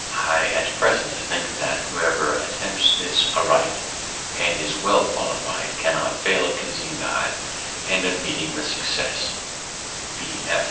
"I at present think that whoever attempts this aright, and is well qualified, cannot fail of pleasing God, and of meeting with success.